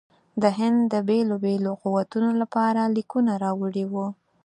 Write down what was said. د هند د بېلو بېلو قوتونو لپاره لیکونه راوړي وه.